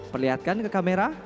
perlihatkan ke kamera